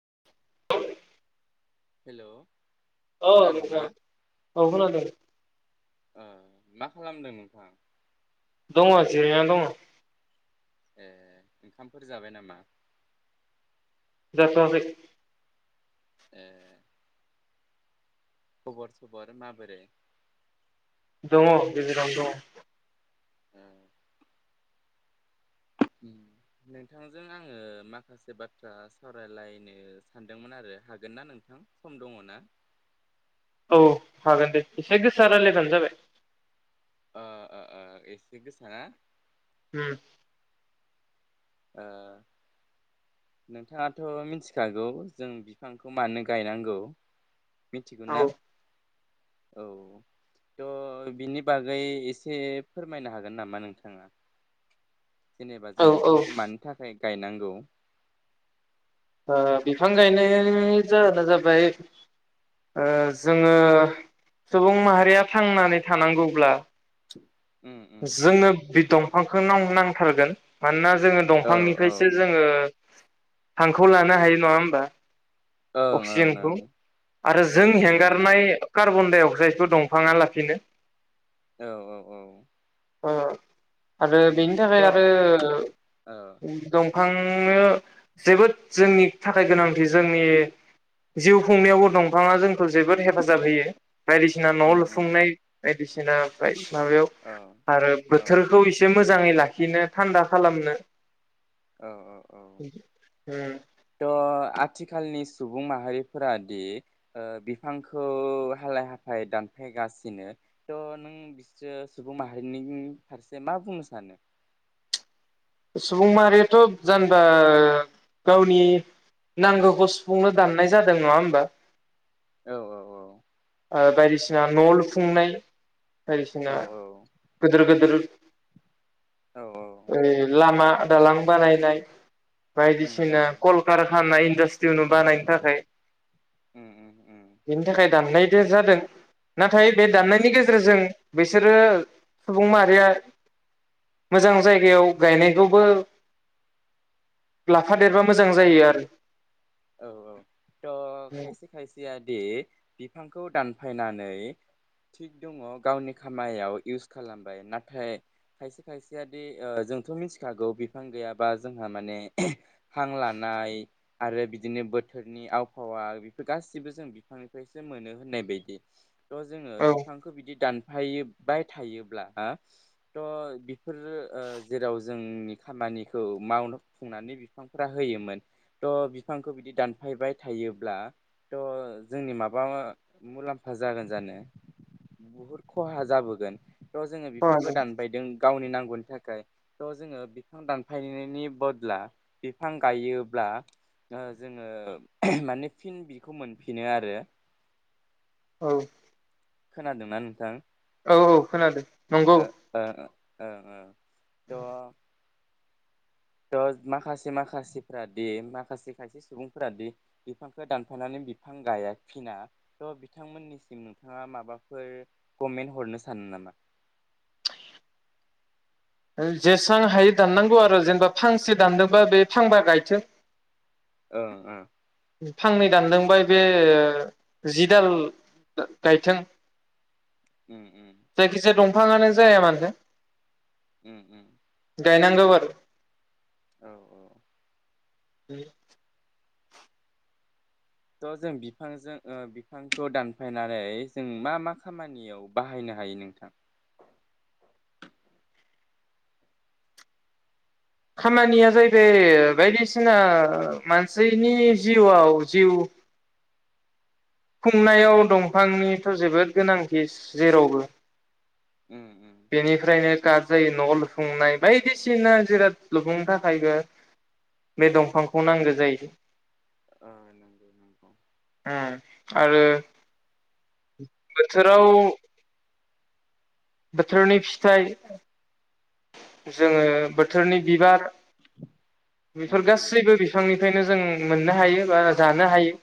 [unintelligible] हेल औ नोंथां औ खोनादों। मा खालामदों नोंथां? दङ जेरायना दङ। ए ओंखामफोर जाबाय नामा? जाथवाखै। ए खबर-सबर माबोरै? दङ गेजेरावनो दङ। ए नोंथांजों आङो माखासे बाथ्रा सावरायलायनो सानदोंमोन आरो हागोन ना नोंथां, सम दङ ना? औ हागोन दे एसे गोसा रायलायबानो जाबाय ओ-ओ-ओ एसे गोसा ना? ओम। ओ नोंथाङाथ' मिथिखागौ जों बिफांखौ मानो गायनांगौ? मिथिगौ औ ना? औ थ' बिनि बागै एसे फोरमायनो हागोन नामा नोंथाङा? जेनेबा औ जों औ ओ बिफांखौ मानि थाखाय गायनांगौ ओ- बिफां गायनायनि जाहोना जाबाय ओ- जोङो सुबुं माहारिया थांनानै थानांगौब्ला उम उम जोंनो बिफ दंफांखौ नाव नांथारगोन मानोना जोङो औ दंफांनिफ्रायसो जोङो हांखौ लानो हायो नङा होमबा? ओं ओं अक्सिजेनखौ आरो औ जों हेंगारनाय कार्बण्डाइ अक्साइडखौ दंफाङा लाफिनो। औ-औ- औ! अ- आरो उम बेनि थ' थाखाय औ आरो दंफां दंफांनो जोबोद जोंनि थाखाय गोनांथि जोंनि जिउ खुंनायावबो दंफाङा जोंखौ जोबोद हेफाजाब होयो बायदिसिना न उम लुफुंनाय उम बायदिसिना माबायाव औ आरो औ बोथोरखौ एसे मोजाङै लाखिनो थान्दा खालामनो औ औ थ' आथिखालनि सुबुं माहारिफोरा दि ओ बिफांखौ हालाय हाफाय दानफायगासिनो थ नों बिसोर सुबुं माहारिनि फारसे मा बुंनो सानो? सुबुं माहारियाथ जेनेबा गावनि नांगौखौ सुफुंनो दाननाय जादों नङा होनबा। औ औ औ बायदिसिना न' लुफुंनाय औ बायदिसिना गोदोर गोदोर औ औ लामा दालां बानायनाय उम बायदिसिना उम कलकारखाना इन्डास्ट्रियाव बानायनो थाखाय उम उम उम बेनि थाखाय दाननाय देर जादों नाथाय बे ओ ओ दाननायनि गेजेरजों बिसोरो सुबुं माहारिया मोजां जायगायाव गायनायखौबो लाफादेरबा मोजां जायो आरो औ औ थ खायसे खायसेया दि बिफांखौ दानफायनानै थिग दङ गावनि खामायाव इउस खालामबाय नाथाय खायसे खायसेयादि जोंथ मिथिखागौ बिफां गैयाबा जोंहा माने हां लानाय आरो बि बिदिनो बोथोरनि आबहावा बेफोर गासिबो जों बिफांनिफ्रायसो मोनो होननाय बायदि थ जोङो औ बिफांखौ बिदि दान बाय थायोब्ला हा थ बेफोरो जेराव जोंनि खामानिखौ मावनोफुंनानै बिफांफोरा होयोमोन थ बिफांखौ बिदि दानफायबाय थायोब्लाथ जोंनि माबा मुलाम्फा जागोन जानो बुहुद खहा जाबोगोन। थ जोङो बिफांखौ खोनादों दानबायदों गावनि नांगौनि थाखाय थ' जोङो बिफां दानफायनायनि बदला बिफां गायोब्ला ओ जोङो माने फिन बिखौ मोनफिनो आरो औ खोनादोंना नोंथां औ औ खोनादों नंगौ ओ ओ। ओ ओ थ थ माखासे माखासेफोरादि माखासे खायसे सुबुंफोरा दि बिफांखौ दानफानानै बिफां गायाफिना थ बिथांमोननिसिम नोंथाङा माबाफोर कमेन्ट हरनो सानो नामा। ओ जेसां हायो दाननांगौ आरो जेनेबा फांसे दानदोंबा बे फांबा गायथो। ओ ओ फांनै दानदोंबाय बे जि दाल गायथों उम उम बिफांङानो जाया मानो उम उम गायनांगौ आरो औ औ [inaudible] थ' जों बिफांजों ओ बिफांखौ दानफायनानै जों मा मा खामानियाव बाहायनो हायो नोंथां? खामानिया जाहैबाय बायदिसिना मानसिनि जिउआव जिउ खुंनायाव दंफांनिथ जोबोद गोनांथि जेरावबो। उम उम बेनिफ्रायनो गारजायो न'आव लुफुंनाय बायदिसिना जिराद लुफुंनो थाखायबो बे दंफांखौ नांगौ जायो ओ नंगौ नंगौ उम आरो बोथोराव बोथोरनि फिथाइ जोङो बोथोरनि बिबार उम बेफोर उम गासैबो बिफांनिफ्रायनो जों मोननो हायो बा जानो हायो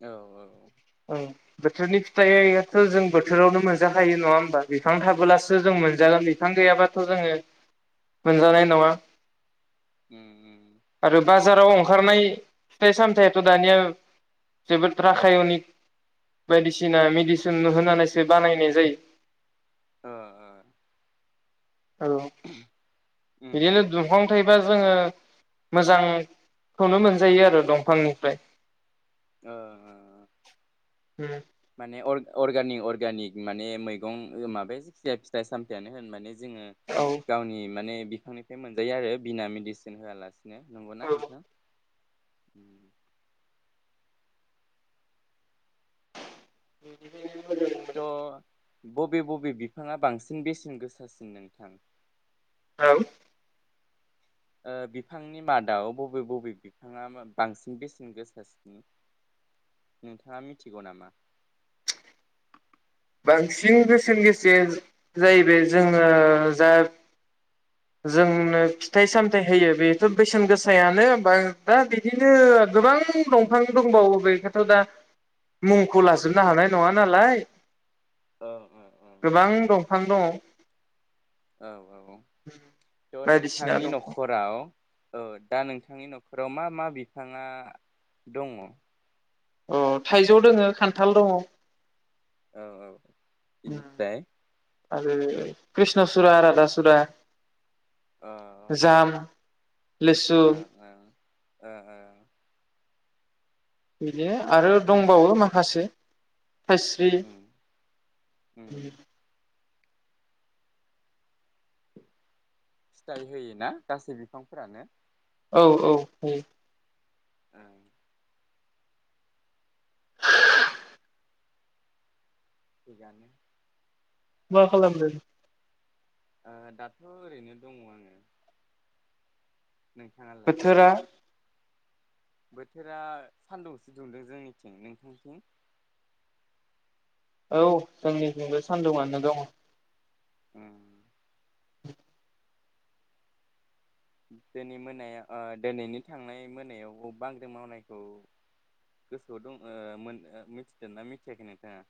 औ औ औ बोथोरनि फिथाइथ जों बोथोरावनो मोनजाखायो नङा होमबा बिफां थाबोलासो जों मोनजागोन। बिफां गैयाबाथ' जोङो मोनजानाय नङा उम उम। आरो बाजाराव ओंखारनाय फिथाइ सामथाइयाथ दानिया जोबोद राखायनिक बायदिसिना मेडिसिन होनानैसो बानायनाय जायो। ओ ओ औ। उम बिदिनो उम दुंफां थायोबा जोङो मोजां खौनो मोनजायो आरो दंफांनिफ्राय ओं ओं। हम। माने अर-अर्गानिक अर्गानिक माने मैगं माबाया फिथाइ-सामथायानो होन माने जोङो औ गावनि माने बिफांनिफ्राय मोनजायो आरो बिना मेडिसिन होआलासे। [inaudible] नंगौ औ ना नोंथां। [inaudible] [unintelligible] ज' बबे बबे बिफाङा बांसिन बेसेन गोसासिन नोंथां? औ। ओ बिफांनि मादाव बबे बबे बिफाङा मा बांसिन बेसेन गोसासिन नोंथाङा मिथिगौ नामा? बांसिन बेसेन गोसाया जाहैबाय जोङो जा जोंनो फिथाइ सामथाइ होयो बेथ बेसेन गोसायानो बा दा बिदिनो गोबां दंफां दंबावो बेखोथ दा मुंखौ लाजोबनो हानाय नङा नालाय। औ औ गोबां दंफां दङ। औ औ औ थ बायदिसिना नोंथांनि दंफां न'खराव। औ दा नोंथांनि न'खराव मा मा बिफाङा दङ। अ थाइजौ दोङो खान्थाल दङ'। औ औ बिनिफ्राय आरो कृष्णसुरा रधासुरा जाम लेसु ओ ओ ओ ओ। बिदिनो आरो दंबावो माखासे। खास्रि उम उम उम फिथाइ होयोना गासै बिफांफोरानो? औ औ होयो। ओ। [inaudible] मा खालामदों। दाथ ओरैनो दङ आङो। नोंथाङालाय। बोथोरा बोथोरा सानदुंसो दुंदों जोंनिथिं नोंथांथिं। औ जोंनिजोंबो सान्दुंआनो दं। उम [inaudible] [inaudible] दिनै मोनायाव दिनैनि थांनाय मोनायाव बांग्रि मावनायखौ गोसोआव दं मिथिदों ना मिथियाखै नोंथाङा।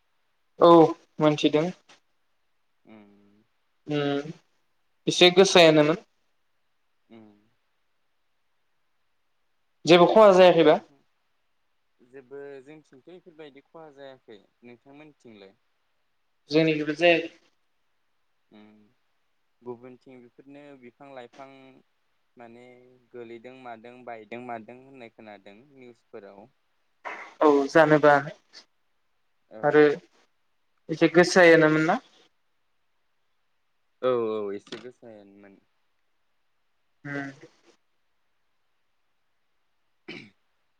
औ मिथिदों। उम [inaudible] उम एसे गोसायानो मोन। उम। जेबो खहा ओंखाम जायाखैबा जाखां जेबो जोंनिथिं। बेफोरबायदि खहा जायाखै नोंथांमोननिथिंलाय। जोंनि जायाखै। उम गुबुनथिं बेफोरनो बिफां लाइफां माने गोलैदों मादों बायदों मादों होननाय खोनादों निउसफोराव। औ जानोबा। औ। आरो एसे गोसोायमोन ना। औ औ एसे गोसायानोमोन। हम। [inaudible]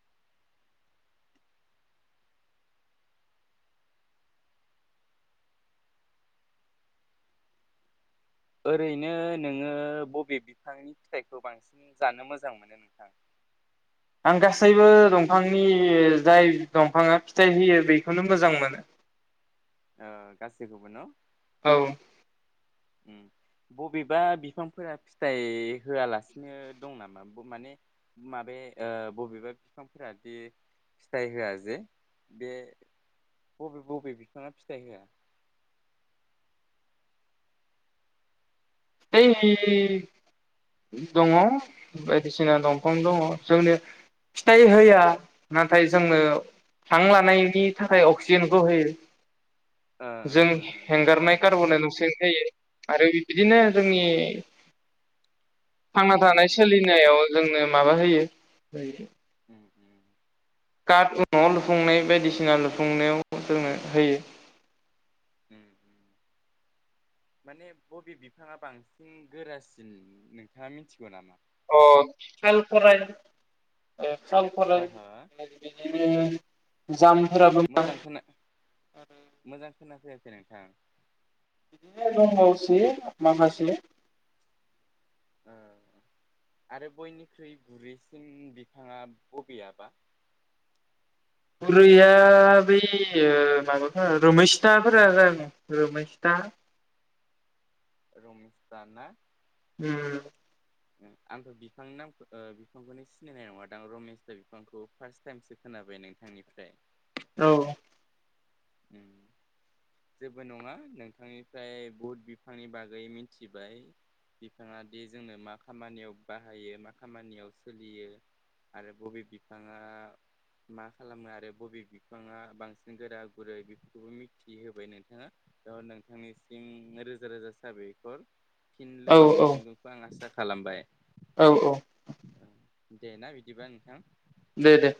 ओरैनो नोङो बबे बिफांनि फिथाइखौ बांसिन जानो मोजां मोनो नोंथां। आं गासैबो दंफांनि जाय दंफाङा फिथाइ होयो बेखौनो मोजां मोनो। अ गासैखौबो न। औ। उम बबेबा बिफांफोरा फिथाइ होआलासिनो दं नामा माने माबे बबेबा बिफांफोरा दि फिथाइ होआ जे बे बबे बबे बिफाङा फिथाइ होआ। [inaudible] दङ बायदिसिना दंफां दङ जोंनो फिथाइ होआ नाथाय जोंनो हां लानायनि थाखाय अक्सिजेनखौ होयो। ओ जों ओ बेथ' हेंगारनाय नंगौ कार्बनडाइ अक्साइड होयो आरो बिदिनो। जोंनि। थांना थानाय सोलिनायाव जोंनो‌। माबा होयो। माने कार्टउ न लुफुंनाय बायदिसिना लुफुंनायाव जोंनो होयो। माने बबे बिफाङा बांसिन गोरासिन नोंथाङा मिथिगौ नामा? अ सालखराय ओ। सावख हो हो [inaudible] जाम मोजां खोनाआ खोनाफैखै नोंथां। द दंबावसै माखासे। आरो बयनिख्रुइ गुरैसिन बिफाङा बबेयाबा। गुरैया बै ओ माबाफोर रोमैस्ताफोरा जाग रोमैस्ता। रमेस दा ना? उम ओम आंथ बिफांनि नामखो ओ बिफांखौनो सिनायनाय नङा दां रमेसता बिफांखौ फास्त टाइमसो खोनाबाय नोंथांनिफ्राय। औ ओम जेबो नङा नोंथांनिफ्राय बहुद बिफांनि बागै मिथिबाय बिफाङा दि जोंनो मा खामानियाव बाहायो मा खामानियाव सोलियो आरो बबे बिफाङा मा खालामो आरो बबे बिफाङा बांसिन गोरा। गुरै बेफोरखौबो मिथिहोबाय नोंथाङा त' नोंथांनिसिम रोजा रोजा साबायखर। फिन औ लोगो औ मोनफिनगोनखौ आं आसा खालामबाय औ। देना बिदिबा नोंथां। दे दे